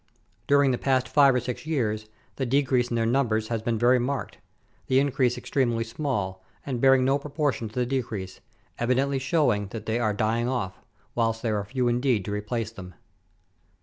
During the past five or six years, the decrease in their numbers has been very marked; the increase extremely small, and bearing no proportion to the decrease; evidently showing that they are dying off, whilst there are few indeed to replace them.